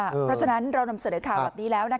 เพราะฉะนั้นเรานำเสนอข่าวแบบนี้แล้ว